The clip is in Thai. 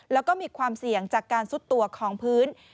แล้วก็มีความเสี่ยงจากการซุดตัวของพื้น